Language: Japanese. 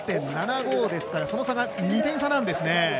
８４．７５ですからその差が２点差なんですね。